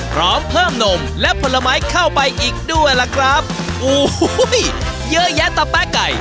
พร้อมเพิ่มนมและผลไม้เข้าไปอีกด้วยล่ะครับโอ้โหเยอะแยะตะแป๊ะไก่